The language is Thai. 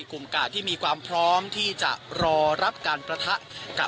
กลุ่มกาที่มีความพร้อมที่จะรอรับการปะทะ